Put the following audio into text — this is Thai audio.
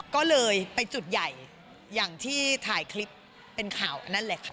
ก็เลยไปจุดใหญ่อย่างที่ถ่ายคลิปเป็นข่าวอันนั้นแหละค่ะ